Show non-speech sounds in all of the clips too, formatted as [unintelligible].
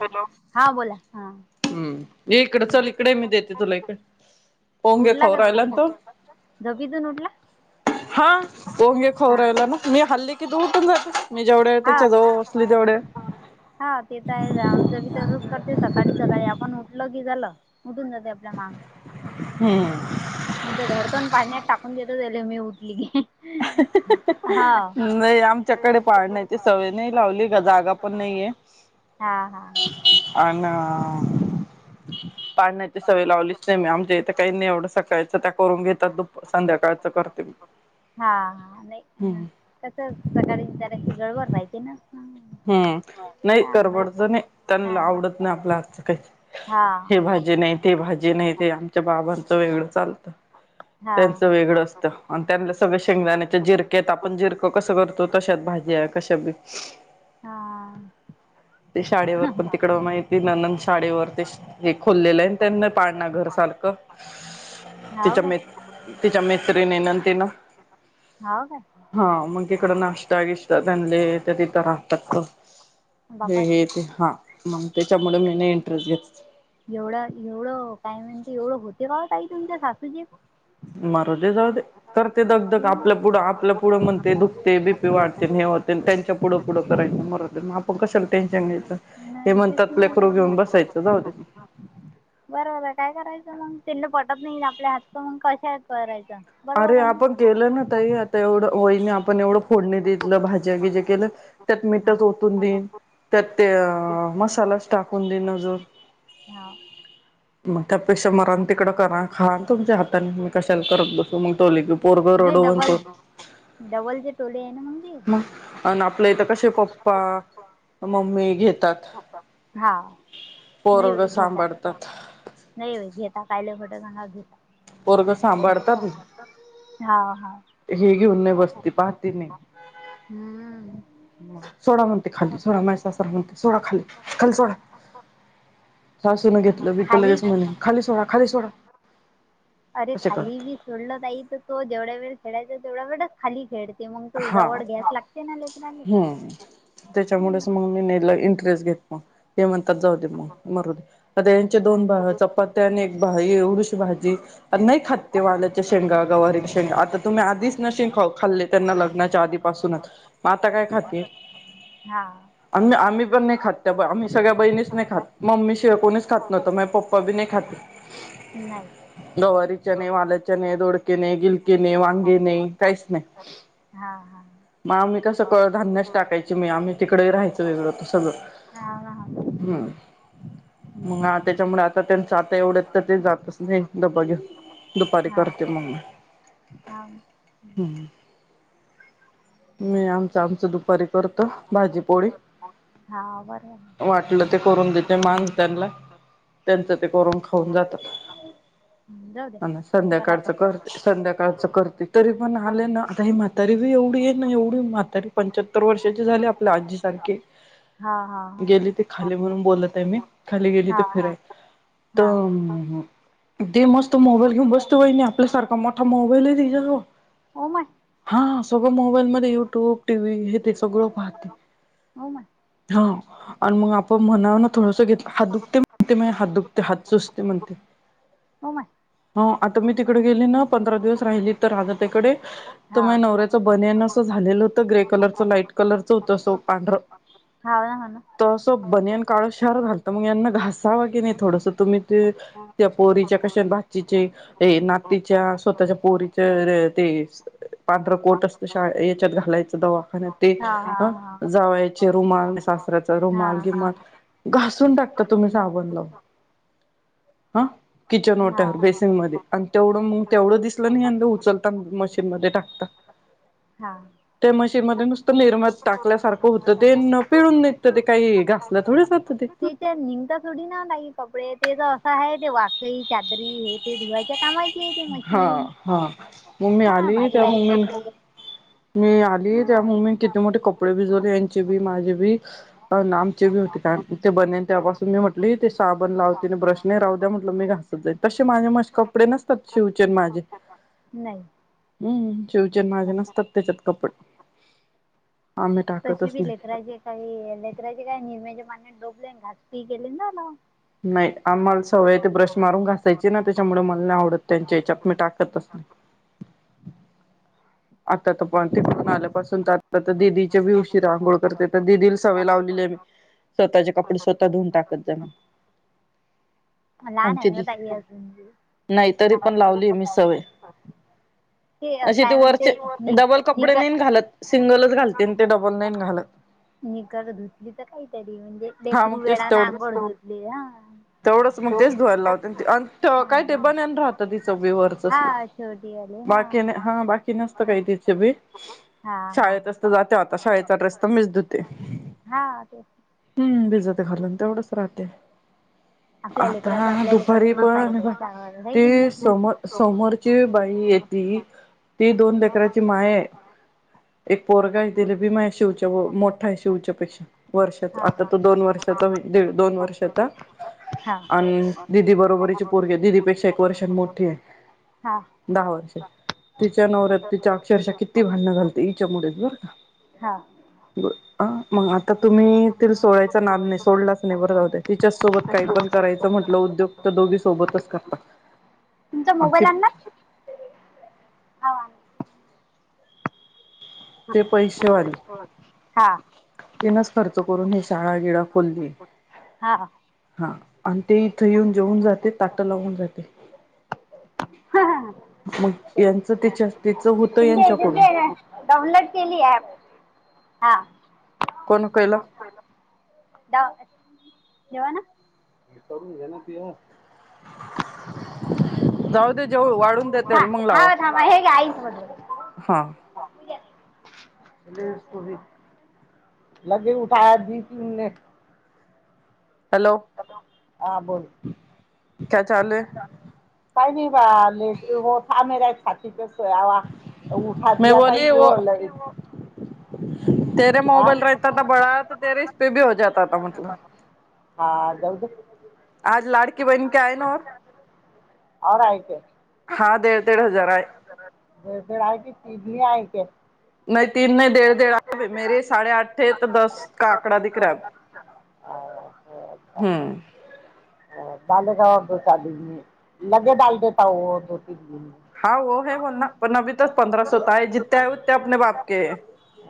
Hello हा बोला हा हम्म ये इकडं चल इकडे मी देते तुला इकडे पोंगे उठला का खवरायला ना तो झोपीतून झोपीतून उठला हा पोंगे हा खवरायला ना मी हल्ली कि द उठून जात मी जेवढे हा त्याच्या जवळसली जेवढे हा ते तर आहे आमचं भी तस करते आणि सकाळी आपण उठल की झालं उटंदत एवड मा हम मी तर धडतून पाण्यात टाकून देतच झाले मी उठली की हाव नाही आमच्याकडे पाळण्याची सवय नाही लावली का जागा पण नाहीये हा हा प [inaudible] पाढण्याची सवय लावलीच नाही मी आमच्या इथं काही नाही एवढं सकाळचं त्या करून घेतात दुप संध्याकाळच करते मी हा हा नाही हम्म कसं सकाळी जऱची गळबड रायची ना हम्म नाही हा हा करबडच नाही हा त्यांना आवडत नाही आपला हात काही हे भाजी नाही ते भाजी नाही ते आमच्या बाबांचं वेगळं चालतं हा हा त्यांचं वेगळं असत त्यान सगळ शेंगदाण्याच्या जिरक्यात आपण जिरकं कसं करतो तशत भाजी कशी ते शाळेवर पण हा तिकड माहिती न माडीवर ते हे खोललेल आहे त्यांना पाडणार घर सारख. ते हाव काय चमे ते चमे नंदेन हाव काय हा मग इकड नाष्टा चांगले आहेत. तत [inaudible] हे बापा रे हे ते का मग त्याच्यामुळे मी न घच [inaudible] एवढं एवढं काय म्हणते एवढं होते का ताई तुमच्या सासूचे? मरू दे जाऊ दे. करते दगधग आपल्या पुढं आपल्या पुढं म्हणते दुखते बीपी वाढते हे होते त्यांच्या पुढं पुढं करायचं मरतेग कसल टेनशन घेत. बरर काय करायचं मग? नाही आपल्या हात मग कशा करायच? अरे आपण केलं ना तई, आता एवढं होईने आपण एवढं फोडणी देतलं भाज्यागीज्या केलं त्यात हा मीठच ओतून देईन त्यात ते हा अ मसालाच टाकून देइनं अजून - हा. मग त्यापेक्षा मरा ना तिकडं. करा आणि खा ना तुमच्या हातानी. मी कशाला करत बसू? [unintelligible] नाही रडवून डबल करू -डबल जे टोले आहे ना. ते म आणि आपलं इथ कसे? - पप्पा -मम्मी घेतात. हा -नाही व पोरग घेता. सांभाळतात नाही व घेता. [unintelligible] पोरग सांभाळता बी. हां हा. हे घेऊन नाही बसते. पाहते नाही, हम्म सोडा म्हणते खाली सोडा मा सासरा म्हणते. सोडा खाली, खाली सोडा सासूनं घेतलं भितर खाली लगेच म्हणे, खाली सोडा खाली सोडा अरे असे खाली करत बी सोडल बाई तर तो जेवढ्या वेळ खेळायचं तेवढा वेळच खाली खेळ हा. हम्. त्याच्यामुळेच मग मी नाही इंटरेस्ट घेत मग. हे म्हणतात जाऊ दे, मग मरु दे. आता यांचे दोन भावाच्या चपात्या आणि एक भा एवढशी भाजी जी नाही खात तो - शेंगा, गवारीच्या शेंगा आता तुम्ही आधीच- नसेल खाल्लं - त्यांना लग्नाच्या आधी- पासूनच मग आता काय खाते? हा आम् आम्ही- पण नाही खात. आम्ही सगळ्या बहीणीच नाही खात. मम्मी शिवाय कोणीच खात नव्हत. माझ पप्पा बी नाही खात. नाही जवारी - [unintelligible] दोडके नाही, गिलके नाही, वांगे नाही, काहीच नाही. हा हा मग आम्ही कसं कडधान्यच टाकायची मी. आम्ही तिकडे राहायचं वेगळं त सगळं. हा ना हा हम्म- मग हम्म. त्याच्यामुळे आता त्यांचं आता एवढ्यात तर ते जातच नाही डबा घेऊन. दुपारी करते हा मग. हा हम्- मी आम- आमच दुपारी करतो भाजीपोळी. हा बरोबर आहे. वाटलं ते करून देते मास त्यांना. त्यांचं ते करून खाऊन जातात हम्म, जाऊ दे आणि बरं आहे संध्याकाळच करते संध्याकाळच करते- तरी पण आले ना- ही म्हातारी बी एवढी आहे ना, एवढी म्हातारी पंच्याहत्तर वर्षाची झाली आपल्या आजीसारखी - हा हा हा. म्हणून बोलत आहे मी खाली गेली तर हा फिराय हा हा तर दे मस् तो मोबाईल घेऊन बसतो बाई आपल्यासारखा मोठा मोबाईल आहे तच्यावर ओ माय हा सगळं मोबाईल मध्ये युट्यूब टी व्ही हे ते सगळं पाहते हो म आणि मग व म्हणा थोडंस घेत हात दुखते म्हते हात दुखते हात सुसते तिन ते होम आता मी तिकडे गेली ना पंधरा दिवस राहिली तर आलं तिकडे तर हा मग नवऱ्याचं बनयान असं झालेलं होत ग्रे कलरच लाईट कलरच होत असो पांढरं हाव ना हो ना तर असं बनियन काळ शार घालत मग यांना घासावा के नाही थोडस तुम्ही ते त्या पोरीच्या कशा भाचीचे नातीच्या स्वतःच्या पोरीच्या ते पांढरं कोट असतं शा याच्यात घालायचं दवाखान्यात ते हा हा अ हा जावयाचे रुमाल हा रमाल सून टाकता तुम्ही साबण लावून हा किचन हा टर बेसनमध्येध्ये तेवढं मग तेवढं दिसलं नाही अ उचलता मशीनमध्ये टाक हा हा ते मशी मध्ये नुसतं निरमात टाकल्यासारखं होतं ते न पिळून निघतं ते काही घासल्या थोडे जात ते. तिते निंगता सोडी ना नाही कपडे ते त असं आहे ते वाकळी चादरी हे ते धुवायच्या कामा हा हा ममी हा आली भारी ते भारी मम्मीन कपडे मी आली हा त्यामु मी किती मोठे कपडे भिजवले यांचे बी माझे बी अन् आमचे बी होते कान की ते बनेल त्यापासून मी म्हटली ते साबण लावते न ब्रश नई राहू द्या म्हटलं मी घासत जाईल तसे माझे मश कपडे ना अत शिवचे न माझे. नाही. हम्म शिवचे न माझे नसतात त्याच्यात कपडे. आम्ही तशी टाकतच बी नाही लेकरायचे काही लेकराचे काय निरम्याच्या पाण्यात डोब लेन घास पी गेलि ना ना. नाही आम्हाला सवय हे तेे ब्रश मारून घासायची ना त्याच्यामुळ मल नाही आवडत त्यांच्या याच्यात मी टाकतच नई. आता त पण तिकडून आल्यापासून त आता त दिदीचे बी उशीरा अंघोळ करते त दिदील सवय लावलेली हे मी स्वतःचे कपडे स्वतः धुऊन टाकत जान. लहान हे ग ते अजून नाही तरी पण लावली मी सवय [unintelligible] ते अ काय म्हणते? च नि डबल कपडे निक नाहीन घालत. सिंगलच घालते न ते डबल नाईन घालत. निकर धुतली तर काहीतरी म्हणजे हा मग लेकरू तेच वेळा ना तेवढंच आघोळ धुतले ह अन ते अंत त काय ते बनेन राहतं तिच बी वरच हा स्ल छोटी वाली हा बाकीने हा बाकी नस हा सकाळी तीच बी हा हा शाळेतस त जाते आता शाळेचा ड्रेस तमीस धुते. हा तेच. हम्म भिजत घालून तेवढंच राहते. आपल्या लेकराच आता आपल्याला दुपारी करणंच आहे पण हे बाई पाय त्यावर आहे की नाही ते आपल्या सम समोरची बाई येती ती दोनदा क्रची माय ए एक पोरगा हे दिले भी माया शिवच्या भो मोठा हे शिवच्या पेक्ष वर्ष हा आता तो दोन वर्षाचा होई दिड दोन वर्षाचा हा अन् दिदी बरोबरीची पोरगी ए दिदीपेक्षा एक वर्षान मोठी ए हा हा दहा वर्ष तिच्या नवऱ्यात तिच्या अक्षरशः किती भांडणं झालती इच्यामुळेच बर का. हा ब आ मग आता तुम्ही तील सोडायचा नाद नाही सोडलाच नाही बर जाऊ दे तिच्याच सोबत काही पण करायचं म्हंटलं उद्योग त दोघी सोबतच करता. तुमचा मोबाईल ती आणला? हा ते पैसेवाली हा. तिनच खर्च करून हे शाळा गिळा खोलली हा हा आण ते इथे येऊन जेऊन जाते ताट लावून जाते मग यांच त्याच्या तिच होतं तुमच्या यांच्याकडून याच्यात डाउनलोड केली हे ऍप. हा कोणं केलं? डाउ जेव्हा ना करून घे ना पिया जाऊ दे जेऊ वाढून द्या त्याल ह थांबा हे घे आईक बण हा [unintelligible] हॅलो! हा बोल क्या चाल हे काही नाही बा लेट हो था मेरा एक साथी आवा उठा मैं दयाताय बोली वो येव लय [unintelligible] [unintelligible] [unintelligible] [unintelligible] हाँ डेढ़ डेढ़ हजार [unintelligible] आए [unintelligible] [unintelligible] [unintelligible] में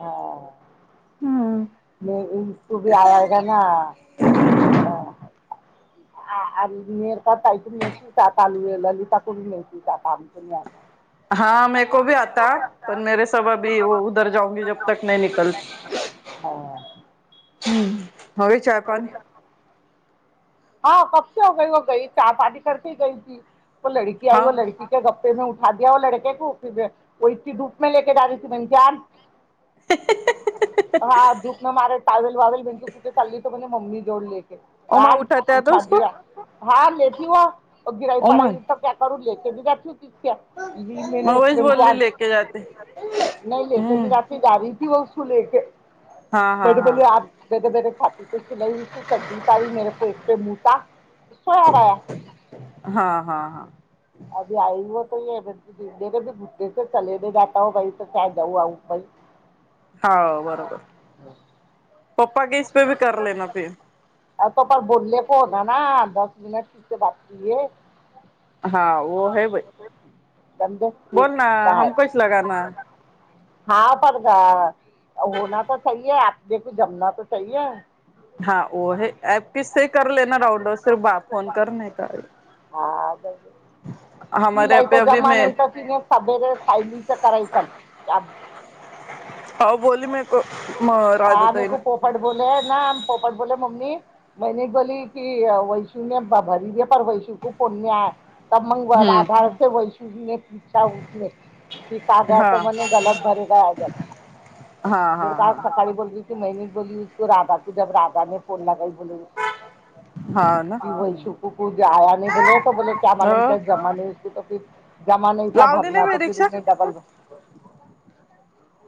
हाँ [unintelligible] [unintelligible] हाँ मेरे को भी आता पर मेरे सब अभी वो उधर जाऊंगी जब तक नहीं निकल [unintelligible] [unintelligible] [unintelligible] [unintelligible] हाँ [unintelligible] [unintelligible] [unintelligible] [unintelligible] ओमा उठाते आता उसको [unintelligible] ओमा [unintelligible] मैं वहीच बोलली [unintelligible] लेके जाते हम्म [unintelligible] [unintelligible] हाँ हाँ हाँ [unintelligible] [unintelligible] [unintelligible] हाँ हाँ हाँ [unintelligible] [unintelligible] [unintelligible] हा बरोबर [unintelligible] अ तोप बोलले को हो ना ना दस मनट तिे बाती आहे हा व है भाई समझे एक बोल ना हमकस लगा हा प होना तर स आहे आप जमना सही आहे हा ह कससे करलेना राऊउडो सिर्फ बा फोन कर का ह हमारे यहाँ तिलायच पे अभी जमा मैं न तर तिने सभेर सायलीच करायच हा बोली मेरेको हाँ मेरे राधाताई को मे पोपट बोले ना पोपट बोले मम्मी मैनी बोली की वैशुने भरी द्या पर वैशू को पुण्य त मंग हम्म आधार ते वैशनेछाने क काग हा त म्हणे गलत भरेग ज हा हा बेड का हा सकाळी बोल ते महि बोलीो राधा को जब राधाने फोन लगई की हा ना वै शकुकु जे आया नाही बोले तो बोले क आ मला अ का जमा नाहीसत जमा नाहीसा लावली नाही भरना बाई तरि रिक्षा डबल भ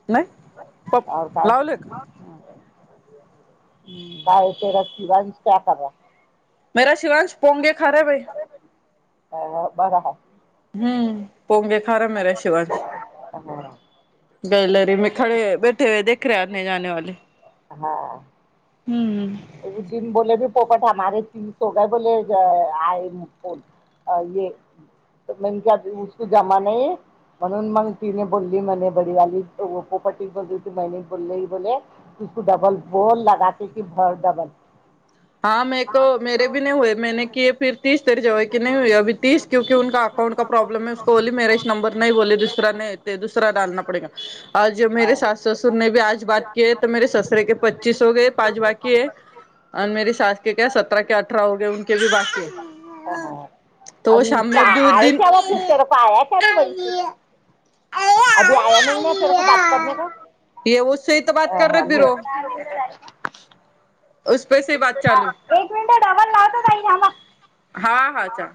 नाही पप लावले का? काय ते र बां त्या खबा मेरा शिवांश पोंगे खारे भाई अ बर हा हम्म पोंगे खारा मे र शिवांश अ बर ग्यालरी मे खडे हे, दिखा रहा हे जाणे वाले हा हम्म उदन बोले ब पोपट हमारे तीन सो ग बोले आय ये म्हक जमा नाही म्हणून मंगग तिने बोलली म बडी गली पोपटी बली ती मै बोलली बोलेुसक डबल बोल लगते की भ डबल हा मेक मे भ नाही होय मैने क फि तीस तेरी जगळी नाही हई अी तीस क्यु कका अकाउंट का प्रॉब्लेम हैसको बोली मेरा इ नंबर नाही बोले दुसरा नाही ते दुसरा डना पडेगा आज ज मे सास ससरे आज बाात क आहे तर मेर ससरे के पच्चीस हो गय पाच बाकी ह आणि मेरी साास के क सत क अठरा होग बाकी हाँ हाँ त अभी शा म उसका अ आए दि क्या वो फिर तेरे को आया क्या रे वैसे अभी आया नहीं ना तेरे को बात करने को ये व बाात कर र फि चालू है एक मिनट डबल लावतो तई जमा हाँ हाँ अच्छा